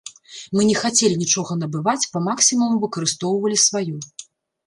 Мы не хацелі нічога набываць, па максімуму выкарыстоўвалі сваё.